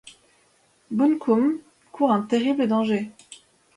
Bunkum court un terrible danger.